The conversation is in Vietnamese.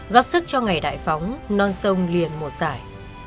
góp sức cho ngày đại phóng non sông liền một dài